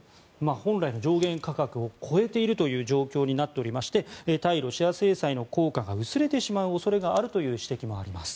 本来の上限価格を超えているという状況になっていまして対ロシア制裁の効果が薄れてしまう恐れがあるという指摘もあります。